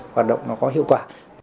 hoạt động nó có hiệu quả